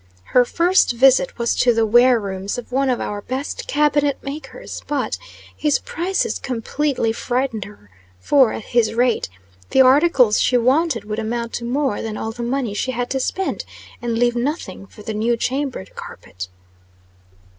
Her first visit was to the ware rooms of one of our best cabinet makers; but, his prices completely frightened her for, at his rate, the articles she wanted would amount to more than all the money she had to spend, and leave nothing for the new chamber carpet.